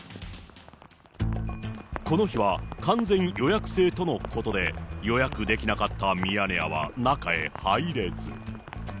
この日は完全予約制とのことで、予約できなかったミヤネ屋は中へ入れず。